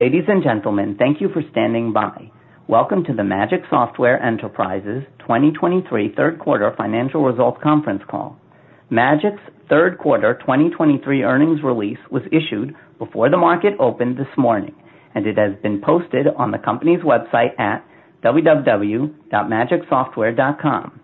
Ladies and gentlemen, thank you for standing by. Welcome to the Magic Software Enterprises 2023 Third Quarter Financial Results Conference Call. Magic's third quarter 2023 earnings release was issued before the market opened this morning, and it has been posted on the company's website at www.magicsoftware.com.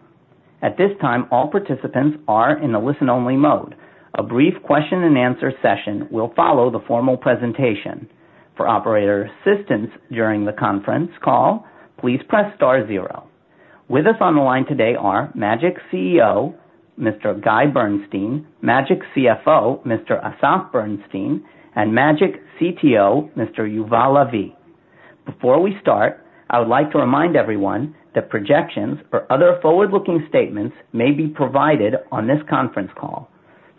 At this time, all participants are in a listen-only mode. A brief question and answer session will follow the formal presentation. For operator assistance during the conference call, please press star zero. With us on the line today are Magic CEO, Mr. Guy Bernstein, Magic CFO, Mr. Asaf Berenstin, and Magic CTO, Mr. Yuval Lavi. Before we start, I would like to remind everyone that projections or other forward-looking statements may be provided on this conference call.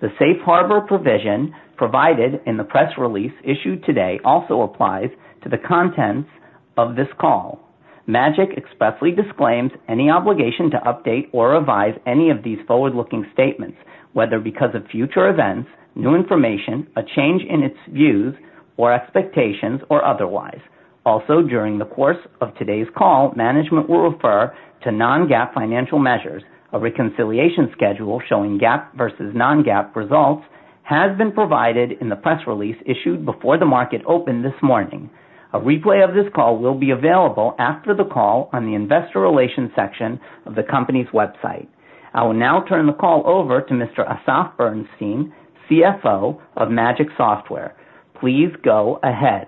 The safe harbor provision provided in the press release issued today also applies to the contents of this call. Magic expressly disclaims any obligation to update or revise any of these forward-looking statements, whether because of future events, new information, a change in its views or expectations, or otherwise. Also, during the course of today's call, management will refer to non-GAAP financial measures. A reconciliation schedule showing GAAP versus non-GAAP results has been provided in the press release issued before the market opened this morning. A replay of this call will be available after the call on the investor relations section of the company's website. I will now turn the call over to Mr. Asaf Berenstin, CFO of Magic Software. Please go ahead.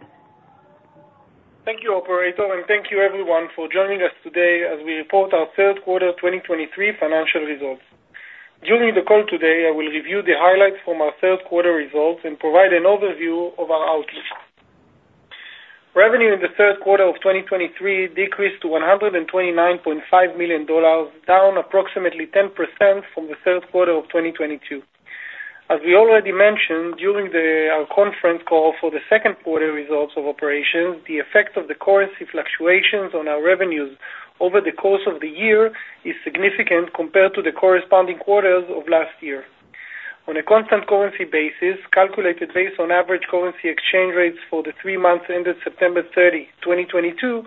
Thank you, operator, and thank you everyone for joining us today as we report our third quarter 2023 financial results. During the call today, I will review the highlights from our third quarter results and provide an overview of our outlook. Revenue in the third quarter of 2023 decreased to $129.5 million, down approximately 10% from the third quarter of 2022. As we already mentioned during our conference call for the second quarter results of operations, the effect of the currency fluctuations on our revenues over the course of the year is significant compared to the corresponding quarters of last year. On a constant currency basis, calculated based on average currency exchange rates for the three months ended September 30, 2022,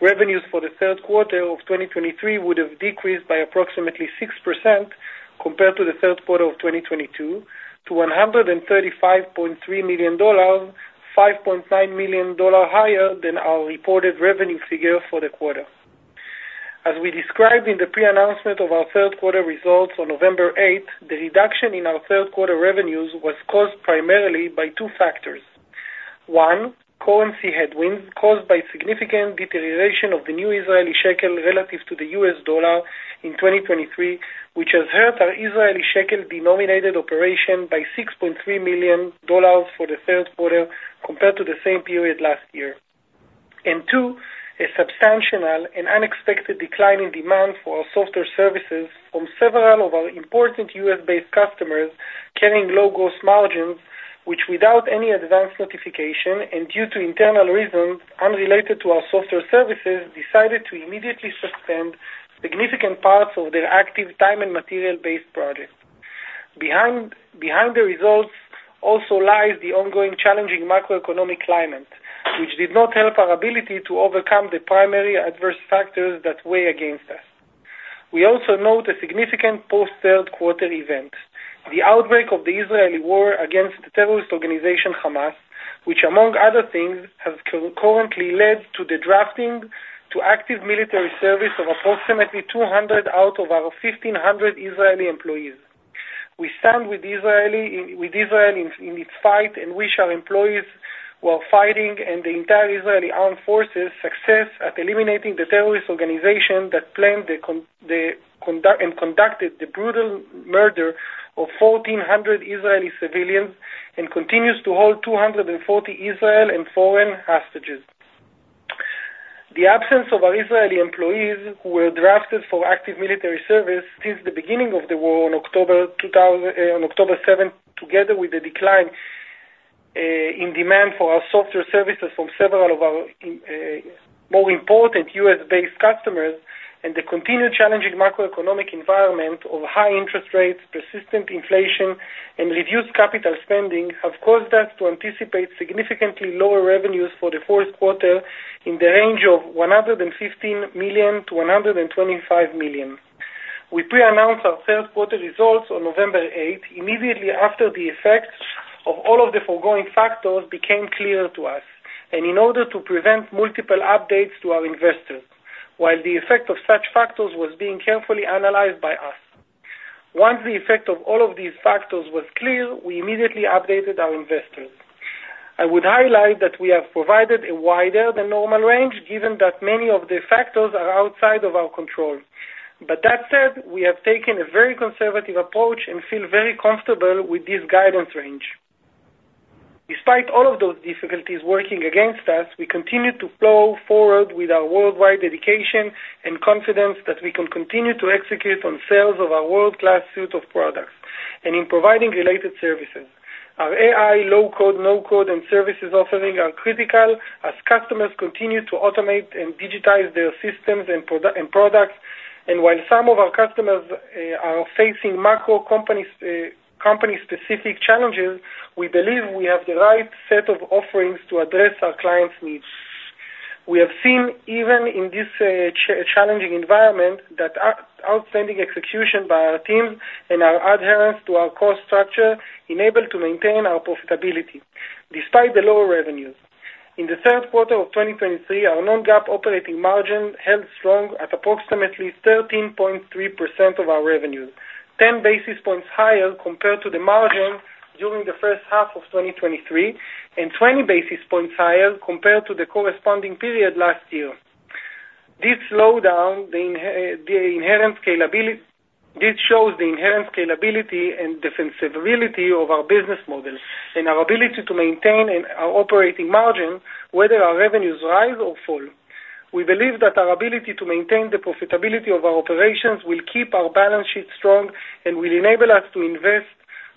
revenues for the third quarter of 2023 would have decreased by approximately 6% compared to the third quarter of 2022 to $135.3 million, $5.9 million higher than our reported revenue figure for the quarter. As we described in the pre-announcement of our third quarter results on November 8, the reduction in our third quarter revenues was caused primarily by two factors. One, currency headwinds caused by significant deterioration of the new Israeli shekel relative to the US dollar in 2023, which has hurt our Israeli shekel denominated operation by $6.3 million for the third quarter compared to the same period last year. And two, a substantial and unexpected decline in demand for our software services from several of our important U.S.-based customers carrying low gross margins, which without any advance notification and due to internal reasons unrelated to our software services, decided to immediately suspend significant parts of their active time and material-based projects. Behind the results also lies the ongoing challenging macroeconomic climate, which did not help our ability to overcome the primary adverse factors that weigh against us. We also note a significant post-third quarter event, the outbreak of the Israeli war against the terrorist organization, Hamas, which among other things, has concurrently led to the drafting to active military service of approximately 200 out of our 1,500 Israeli employees. We stand with Israel in its fight and wish our employees who are fighting and the entire Israeli Armed Forces success at eliminating the terrorist organization that planned the conduct, and conducted the brutal murder of 1,400 Israeli civilians and continues to hold 240 Israeli and foreign hostages. The absence of our Israeli employees who were drafted for active military service since the beginning of the war, on October 7th, together with the decline in demand for our software services from several of our more important U.S.-based customers and the continued challenging macroeconomic environment of high interest rates, persistent inflation and reduced capital spending, have caused us to anticipate significantly lower revenues for the fourth quarter in the range of $115 -125 million. We pre-announced our third quarter results on November eighth, immediately after the effects of all of the foregoing factors became clear to us, and in order to prevent multiple updates to our investors, while the effect of such factors was being carefully analyzed by us. Once the effect of all of these factors was clear, we immediately updated our investors. I would highlight that we have provided a wider than normal range, given that many of the factors are outside of our control. But that said, we have taken a very conservative approach and feel very comfortable with this guidance range. Despite all of those difficulties working against us, we continue to plow forward with our worldwide dedication and confidence that we can continue to execute on sales of our world-class suite of products and in providing related services. Our AI, low-code, no-code and services offering are critical as customers continue to automate and digitize their systems and products. While some of our customers are facing macro, company-specific challenges, we believe we have the right set of offerings to address our clients' needs. We have seen, even in this challenging environment, that our outstanding execution by our team and our adherence to our cost structure enabled to maintain our profitability, despite the lower revenues. In the third quarter of 2023, our non-GAAP operating margin held strong at approximately 13.3% of our revenues, 10 basis points higher compared to the margin during the first half of 2023, and 20 basis points higher compared to the corresponding period last year. This slowdown, the inherent scalability. This shows the inherent scalability and defensibility of our business model and our ability to maintain our operating margin, whether our revenues rise or fall. We believe that our ability to maintain the profitability of our operations will keep our balance sheet strong and will enable us to invest,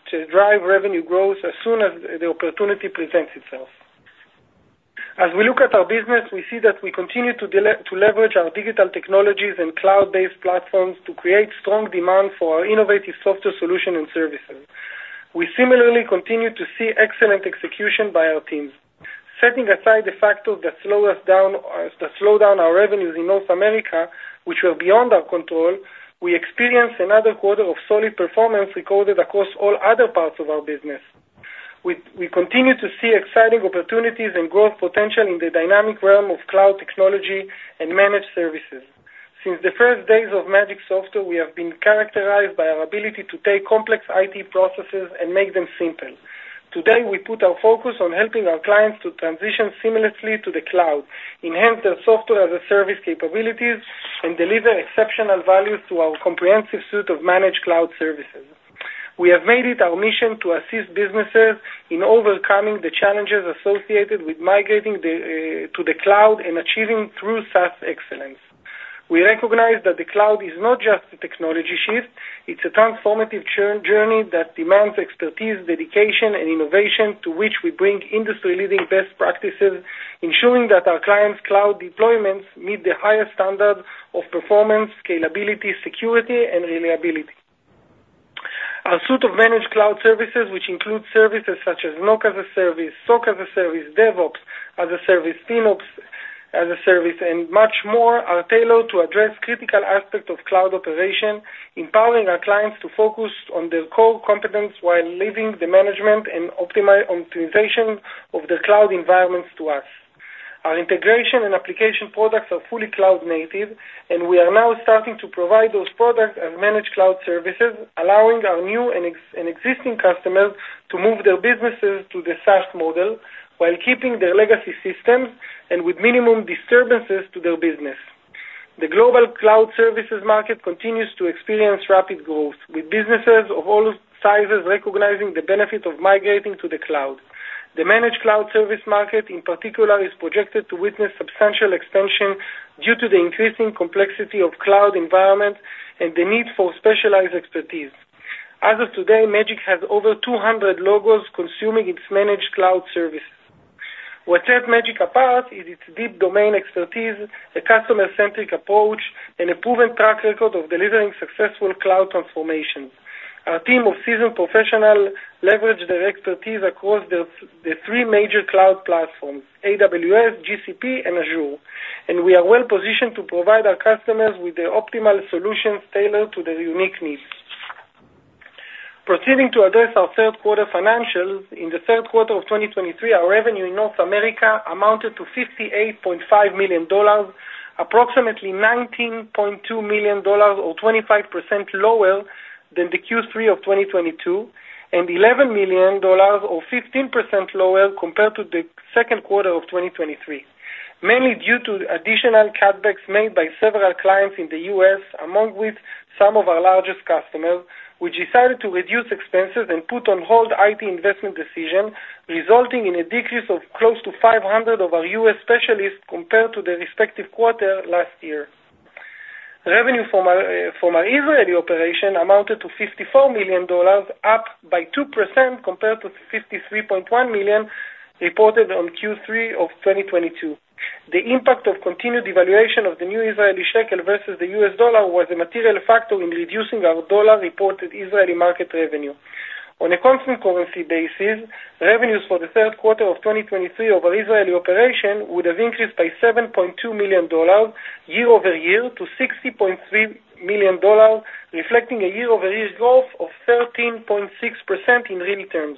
to drive revenue growth as soon as the opportunity presents itself. As we look at our business, we see that we continue to to leverage our digital technologies and cloud-based platforms to create strong demand for our innovative software solutions and services. We similarly continue to see excellent execution by our teams. Setting aside the factors that slow us down, that slow down our revenues in North America, which were beyond our control, we experienced another quarter of solid performance recorded across all other parts of our business. We continue to see exciting opportunities and growth potential in the dynamic realm of cloud technology and managed services. Since the first days of Magic Software, we have been characterized by our ability to take complex IT processes and make them simple. Today, we put our focus on helping our clients to transition seamlessly to the cloud, enhance their software as a service capabilities, and deliver exceptional value through our comprehensive suite of managed cloud services. We have made it our mission to assist businesses in overcoming the challenges associated with migrating to the cloud and achieving true SaaS excellence. We recognize that the cloud is not just a technology shift, it's a transformative journey that demands expertise, dedication, and innovation to which we bring industry-leading best practices, ensuring that our clients' cloud deployments meet the highest standards of performance, scalability, security, and reliability. Our suite of managed cloud services, which includes services such as NOC as a Service, SOC as a Service, DevOps as a Service, FinOps as a Service, and much more, are tailored to address critical aspects of cloud operation, empowering our clients to focus on their core competence while leaving the management and optimization of their cloud environments to us. Our integration and application products are fully cloud native, and we are now starting to provide those products as managed cloud services, allowing our new and existing customers to move their businesses to the SaaS model while keeping their legacy systems and with minimum disturbances to their business. The global cloud services market continues to experience rapid growth, with businesses of all sizes recognizing the benefit of migrating to the cloud. The managed cloud service market, in particular, is projected to witness substantial expansion due to the increasing complexity of cloud environment and the need for specialized expertise. As of today, Magic has over 200 logos consuming its managed cloud services. What sets Magic apart is its deep domain expertise, a customer-centric approach, and a proven track record of delivering successful cloud transformations. Our team of seasoned professional leverage their expertise across the three major cloud platforms, AWS, GCP, and Azure, and we are well positioned to provide our customers with the optimal solutions tailored to their unique needs. Proceeding to address our third quarter financials, in the third quarter of 2023, our revenue in North America amounted to $58.5 million, approximately $19.2 million, or 25% lower than the Q3 of 2022, and $11 million, or 15% lower compared to the second quarter of 2023. Mainly due to additional cutbacks made by several clients in the U.S., along with some of our largest customers, who decided to reduce expenses and put on hold IT investment decision, resulting in a decrease of close to 500 of our U.S. specialists compared to the respective quarter last year. Revenue from our Israeli operation amounted to $54 million, up by 2% compared to $53.1 million, reported on Q3 of 2022. The impact of continued devaluation of the new Israeli shekel versus the U.S. dollar was a material factor in reducing our dollar-reported Israeli market revenue. On a constant currency basis, revenues for the third quarter of 2023 of our Israeli operation would have increased by $7.2 million year-over-year, to $60.3 million, reflecting a year-over-year growth of 13.6% in real terms.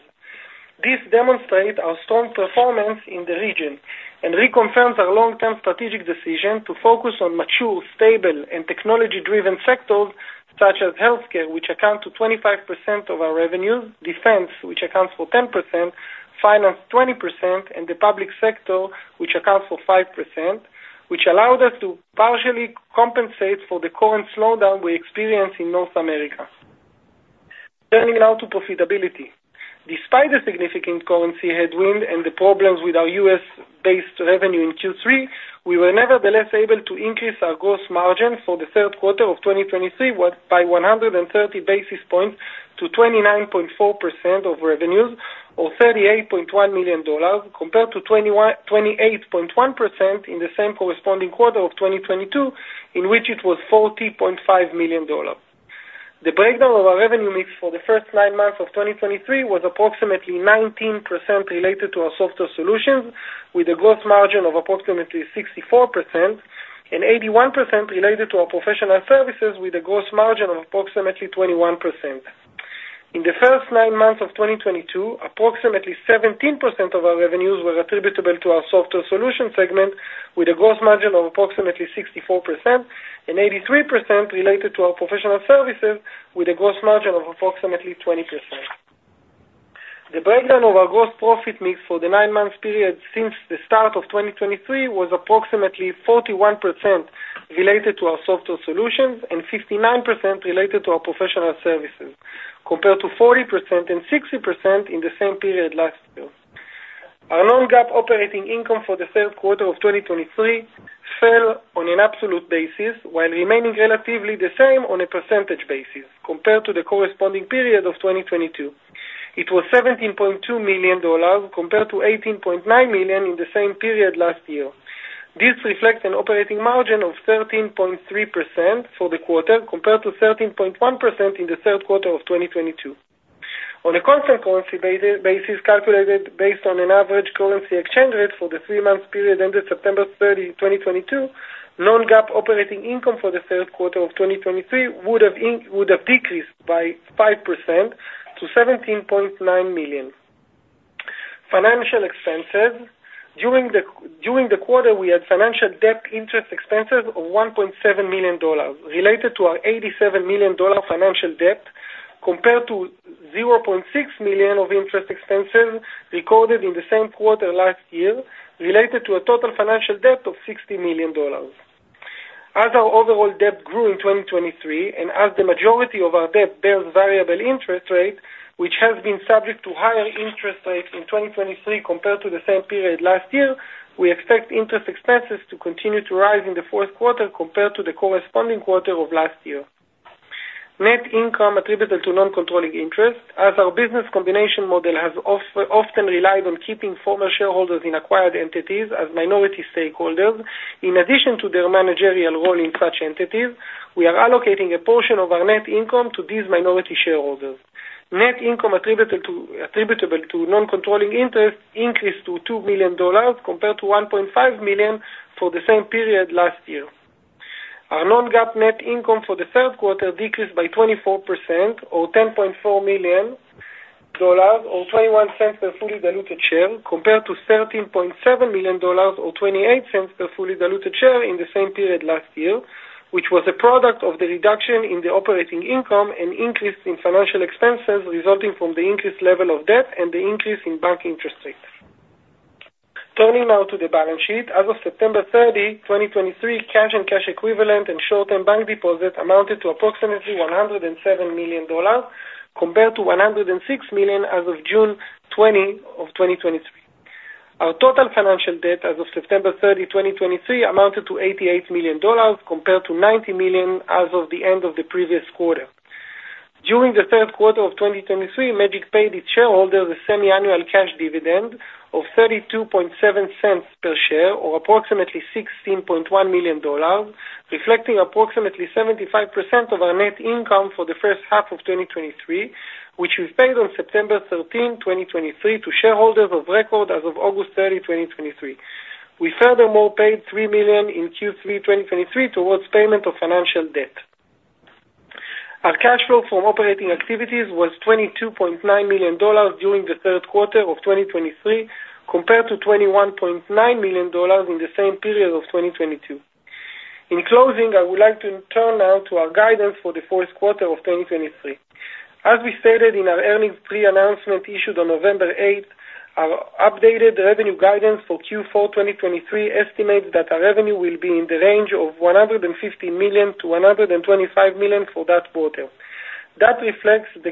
This demonstrate our strong performance in the region and reconfirms our long-term strategic decision to focus on mature, stable, and technology-driven sectors such as healthcare, which account to 25% of our revenues, defense, which accounts for 10%, finance, 20%, and the public sector, which accounts for 5%, which allowed us to partially compensate for the current slowdown we experience in North America. Turning now to profitability. Despite the significant currency headwind and the problems with our U.S.-based revenue in Q3, we were nevertheless able to increase our gross margin for the third quarter of 2023 by 130 basis points to 29.4% of revenues, or $38.1 million, compared to 28.1% in the same corresponding quarter of 2022, in which it was $40.5 million. The breakdown of our revenue mix for the first 9 months of 2023 was approximately 19% related to our software solutions, with a gross margin of approximately 64% and 81% related to our professional services, with a gross margin of approximately 21%. In the first nine months of 2022, approximately 17% of our revenues were attributable to our software solution segment, with a gross margin of approximately 64% and 83% related to our professional services, with a gross margin of approximately 20%. The breakdown of our gross profit mix for the nine months period since the start of 2023 was approximately 41% related to our software solutions and 59% related to our professional services, compared to 40% and 60% in the same period last year. Our Non-GAAP operating income for the third quarter of 2023 fell on an absolute basis, while remaining relatively the same on a percentage basis compared to the corresponding period of 2022. It was $17.2 million, compared to $18.9 million in the same period last year. This reflects an operating margin of 13.3% for the quarter, compared to 13.1% in the third quarter of 2022. On a constant currency basis calculated based on an average currency exchange rate for the three-month period ended September 30, 2022, non-GAAP operating income for the third quarter of 2023 would have decreased by 5% to $17.9 million. Financial expenses. During the quarter, we had financial debt interest expenses of $1.7 million related to our $87 million financial debt, compared to $0.6 million of interest expenses recorded in the same quarter last year, related to a total financial debt of $60 million. As our overall debt grew in 2023, and as the majority of our debt bears variable interest rate, which has been subject to higher interest rates in 2023 compared to the same period last year, we expect interest expenses to continue to rise in the fourth quarter compared to the corresponding quarter of last year. Net income attributed to non-controlling interest. As our business combination model has often relied on keeping former shareholders in acquired entities as minority stakeholders, in addition to their managerial role in such entities, we are allocating a portion of our net income to these minority shareholders. Net income attributable to non-controlling interests increased to $2 million, compared to $1.5 million for the same period last year. Our Non-GAAP net income for the third quarter decreased by 24% or $10.4 million, or $0.21 per fully diluted share, compared to $13.7 million, or $0.28 per fully diluted share in the same period last year, which was a product of the reduction in the operating income and increase in financial expenses resulting from the increased level of debt and the increase in bank interest rates. Turning now to the balance sheet. As of September 30, 2023, cash and cash equivalents and short-term bank deposits amounted to approximately $107 million, compared to $106 million as of June 20, 2023. Our total financial debt as of September 30, 2023, amounted to $88 million, compared to $90 million as of the end of the previous quarter. During the third quarter of 2023, Magic paid its shareholders a semi-annual cash dividend of $0.327 per share, or approximately $16.1 million, reflecting approximately 75% of our net income for the first half of 2023, which was paid on September 13, 2023, to shareholders of record as of August 30, 2023. We furthermore paid $3 million in Q3 2023 towards payment of financial debt. Our cash flow from operating activities was $22.9 million during the third quarter of 2023, compared to $21.9 million in the same period of 2022. In closing, I would like to turn now to our guidance for the fourth quarter of 2023. As we stated in our earnings pre-announcement, issued on November eighth, our updated revenue guidance for Q4 2023 estimates that our revenue will be in the range of $150 million-$125 million for that quarter. That reflects the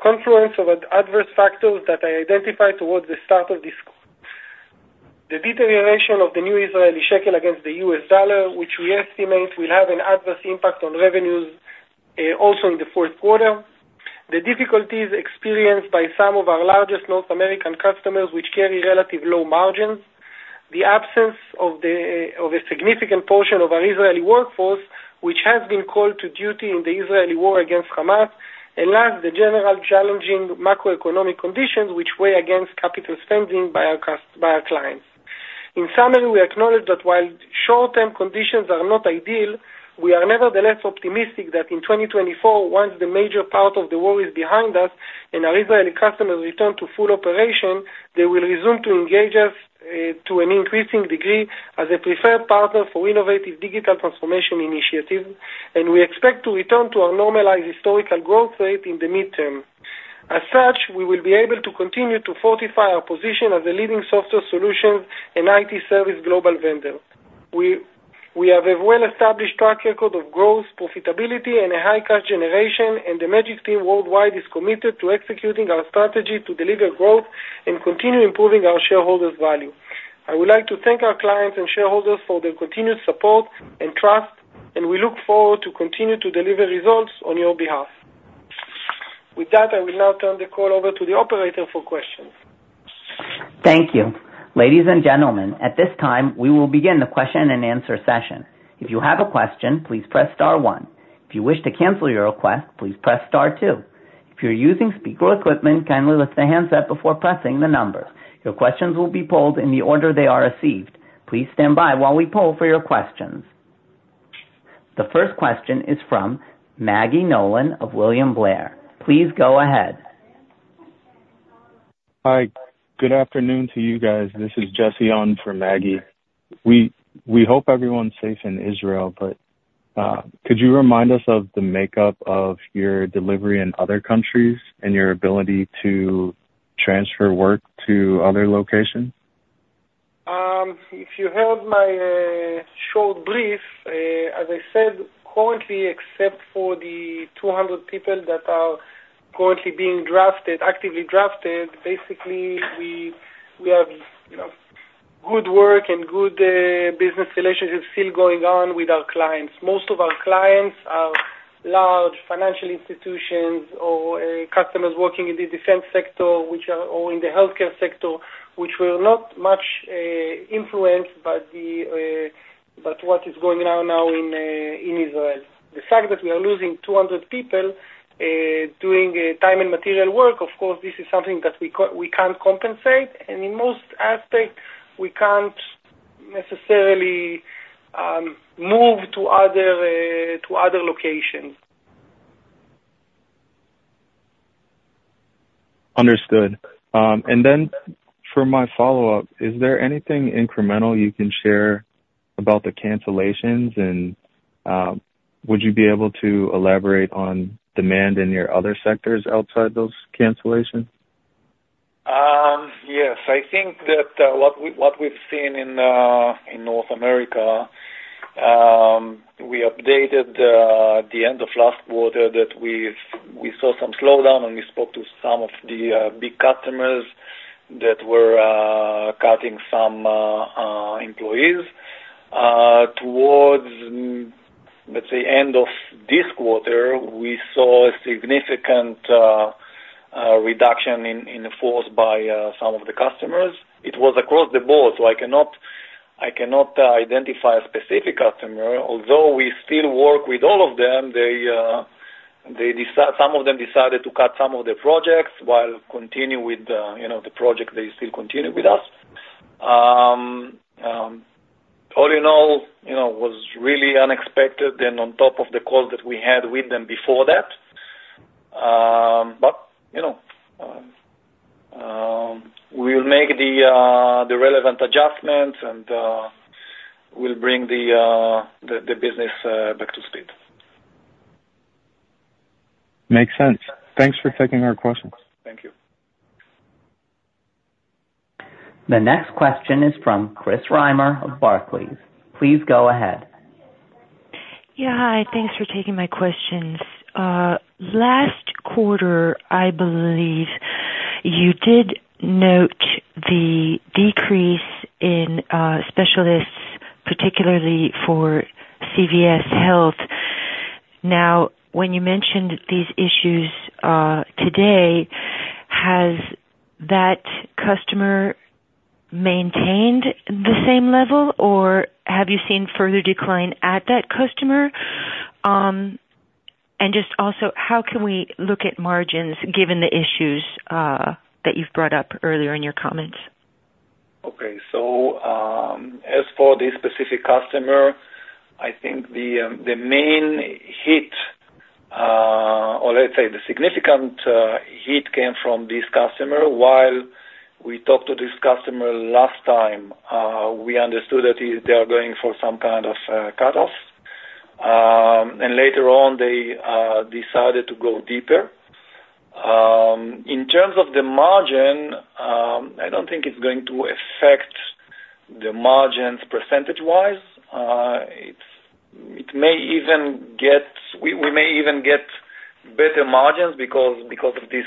confluence of adverse factors that I identified towards the start of this call. The deterioration of the new Israeli shekel against the U.S. dollar, which we estimate will have an adverse impact on revenues, also in the fourth quarter. The difficulties experienced by some of our largest North American customers, which carry relatively low margins. The absence of a significant portion of our Israeli workforce, which has been called to duty in the Israeli war against Hamas. And last, the general challenging macroeconomic conditions which weigh against capital spending by our clients. In summary, we acknowledge that while short-term conditions are not ideal, we are nevertheless optimistic that in 2024, once the major part of the war is behind us and our Israeli customers return to full operation, they will resume to engage us to an increasing degree as a preferred partner for innovative digital transformation initiatives. We expect to return to our normalized historical growth rate in the midterm. As such, we will be able to continue to fortify our position as a leading software solutions and IT service global vendor. We have a well-established track record of growth, profitability and a high cash generation, and the Magic team worldwide is committed to executing our strategy to deliver growth and continue improving our shareholders' value.... I would like to thank our clients and shareholders for their continued support and trust, and we look forward to continue to deliver results on your behalf. With that, I will now turn the call over to the operator for questions. Thank you. Ladies and gentlemen, at this time, we will begin the question and answer session. If you have a question, please press star one. If you wish to cancel your request, please press star two. If you're using speaker equipment, kindly lift the handset before pressing the number. Your questions will be polled in the order they are received. Please stand by while we poll for your questions. The first question is from Maggie Nolan of William Blair. Please go ahead. Hi. Good afternoon to you guys. This is Jesse on for Maggie. We hope everyone's safe in Israel, but could you remind us of the makeup of your delivery in other countries and your ability to transfer work to other locations? If you heard my short brief, as I said, currently, except for the 200 people that are currently being drafted, actively drafted, basically we have, you know, good work and good business relationships still going on with our clients. Most of our clients are large financial institutions or customers working in the defense sector, which are all in the healthcare sector, which were not much influenced by what is going on now in Israel. The fact that we are losing 200 people doing Time and Material work, of course, this is something that we can't compensate, and in most aspects, we can't necessarily move to other locations. Understood. And then for my follow-up, is there anything incremental you can share about the cancellations? And, would you be able to elaborate on demand in your other sectors outside those cancellations? Yes. I think that what we've seen in North America, we updated the end of last quarter that we've seen some slowdown, and we spoke to some of the big customers that were cutting some employees. Towards, let's say, end of this quarter, we saw a significant reduction in the force by some of the customers. It was across the board, so I cannot identify a specific customer, although we still work with all of them. They decide-- some of them decided to cut some of the projects while continue with the, you know, the project they still continue with us. All in all, you know, was really unexpected and on top of the calls that we had with them before that. But, you know, we'll make the relevant adjustments, and we'll bring the business back to speed. Makes sense. Thanks for taking our questions. Thank you. The next question is from Chris Reimer of Barclays. Please go ahead. Yeah, hi. Thanks for taking my questions. Last quarter, I believe you did note the decrease in specialists, particularly for CVS Health. Now, when you mentioned these issues today, has that customer maintained the same level, or have you seen further decline at that customer? And just also, how can we look at margins given the issues that you've brought up earlier in your comments? Okay. So, as for this specific customer, I think the main hit, or let's say the significant hit came from this customer. While we talked to this customer last time, we understood that he, they are going for some kind of cutoffs, and later on, they decided to go deeper. In terms of the margin, I don't think it's going to affect the margins percentage-wise. It's, it may even get... We may even get better margins because of this,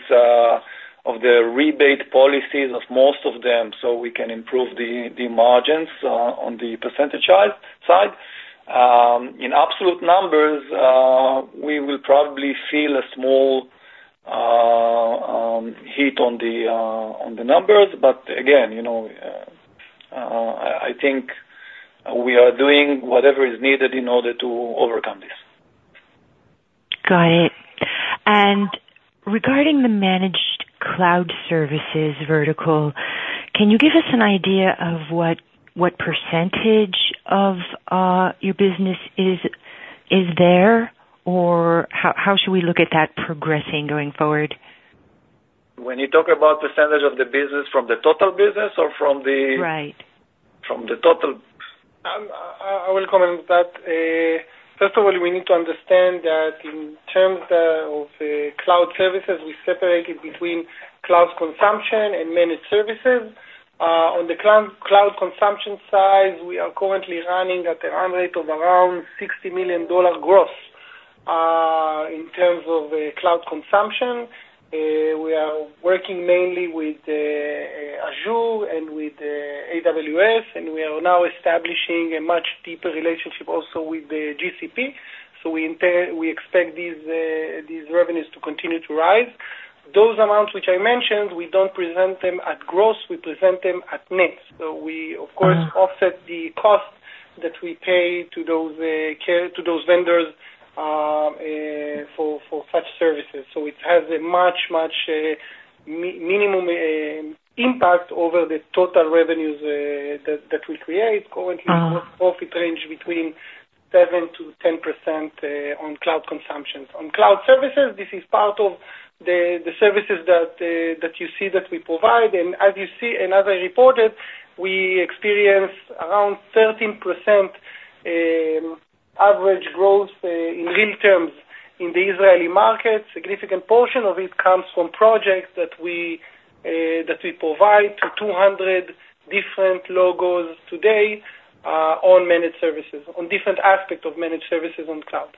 of the rebate policies of most of them, so we can improve the margins on the percentage-wise side. In absolute numbers, we will probably feel a small hit on the numbers, but again, you know, I think we are doing whatever is needed in order to overcome this. Got it. And regarding the managed cloud services vertical, can you give us an idea of what percentage of your business is there, or how should we look at that progressing going forward? When you talk about percentage of the business from the total business or from the- Right. From the total? I will comment that, first of all, we need to understand that in terms of the cloud services, we separate it between cloud consumption and managed services. On the cloud consumption side, we are currently running at a run rate of around $60 million gross.... in terms of cloud consumption, we are working mainly with Azure and with AWS, and we are now establishing a much deeper relationship also with the GCP. So we expect these revenues to continue to rise. Those amounts which I mentioned, we don't present them at gross, we present them at net. So we, of course, offset the costs that we pay to those cloud vendors for such services. So it has a much, much minimum impact over the total revenues that we create. Currently, profit range between 7%-10% on cloud consumption. On cloud services, this is part of the services that you see that we provide. And as you see and as I reported, we experience around 13% average growth in real terms in the Israeli market. Significant portion of it comes from projects that we provide to 200 different logos today on managed services, on different aspects of managed services on cloud.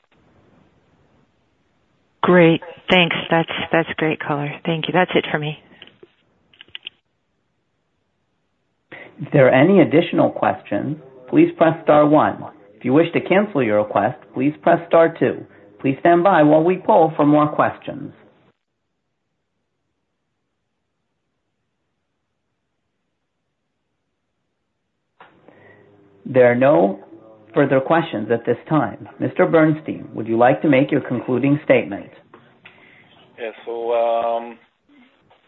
Great. Thanks. That's, that's great color. Thank you. That's it for me. If there are any additional questions, please press star one. If you wish to cancel your request, please press star two. Please stand by while we poll for more questions. There are no further questions at this time. Mr. Bernstein, would you like to make your concluding statement? Yeah. So,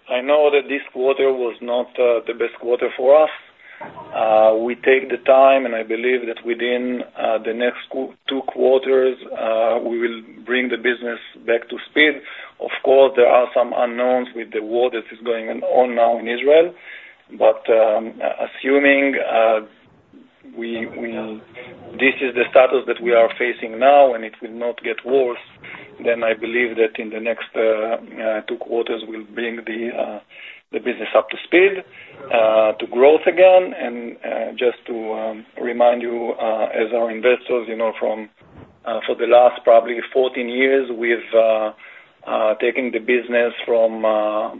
I know that this quarter was not the best quarter for us. We take the time, and I believe that within the next two quarters, we will bring the business back to speed. Of course, there are some unknowns with the war that is going on now in Israel, but, assuming this is the status that we are facing now, and it will not get worse, then I believe that in the next two quarters, we'll bring the business up to speed to growth again. And, just to remind you, as our investors, you know, from for the last probably 14 years, we've taking the business from a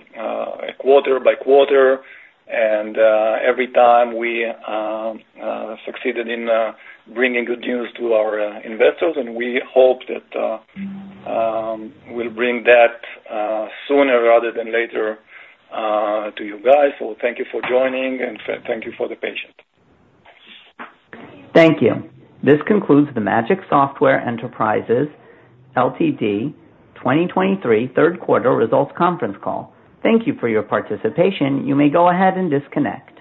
quarter by quarter, and every time we succeeded in bringing good news to our investors, and we hope that we'll bring that sooner rather than later to you guys. So thank you for joining, and thank you for the patience. Thank you. This concludes the Magic Software Enterprises Ltd. 2023 third quarter results conference call. Thank you for your participation. You may go ahead and disconnect.